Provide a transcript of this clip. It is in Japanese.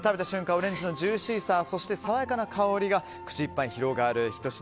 オレンジのジューシーさそして爽やかな香りが口いっぱいに広がるひと品。